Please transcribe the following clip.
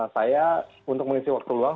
saya untuk mengisi waktu luang